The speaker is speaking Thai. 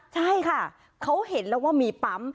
ใช่ค่ะเขาเห็นแล้วว่ามีปั๊ม